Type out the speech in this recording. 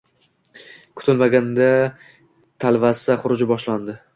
Kutilmaganda talvasa xuruji boshlandi